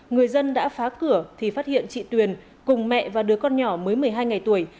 người dân đã phá cửa thì phát hiện chị tuyền cùng mẹ và đứa con nhỏ mới một mươi hai ngày tuổi